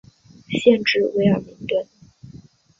县治威尔明顿。